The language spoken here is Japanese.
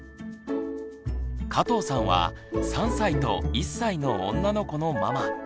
加藤さんは３歳と１歳の女の子のママ。